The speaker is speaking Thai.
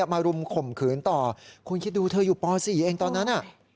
มารุมข่มขืนต่อคุณคิดดูเธออยู่ป๔เองตอนนั้น